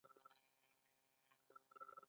آیا پښتون یو مسلمان قوم نه دی؟